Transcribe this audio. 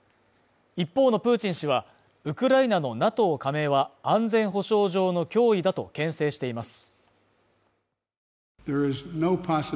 一方のプーチン氏はウクライナのＮＡＴＯ加盟は、安全保障上の脅威だと牽制しています。